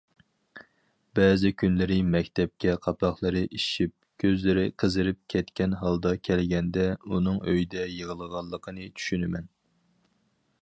بەزى كۈنلىرى مەكتەپكە قاپاقلىرى ئىششىپ، كۆزلىرى قىزىرىپ كەتكەن ھالدا كەلگەندە، ئۇنىڭ ئۆيدە يىغلىغانلىقىنى چۈشىنىمەن.